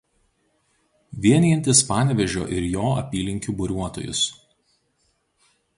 Vienijantis Panevėžio ir jo apylinkių buriuotojus.